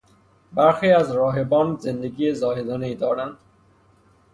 برخی از راهبان زندگی زاهدانهای دارند.